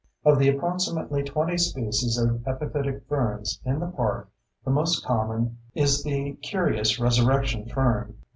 Of the approximately 20 species of epiphytic ferns in the park, the most common is the curious resurrection fern.